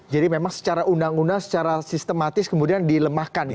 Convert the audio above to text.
jadi memang secara undang undang secara sistematis kemudian dilemahkan gitu